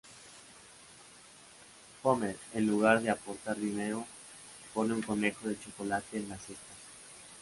Homer, en lugar de aportar dinero, pone un conejo de chocolate en la cesta.